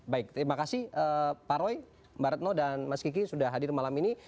baik terima kasih pak roy mbak retno dan mas kiki sudah hadir malam ini